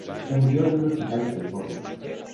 Murió en un hospital de California.